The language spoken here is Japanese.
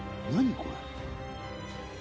これ」